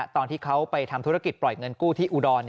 ตอนที่เขาไปทำธุรกิจปล่อยเงินกู้ที่อุดร